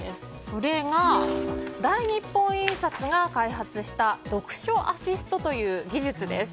それが、大日本印刷が開発した読書アシストという技術です。